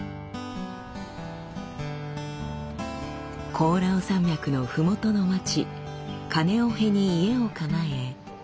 コオラウ山脈のふもとの町カネオヘに家を構え。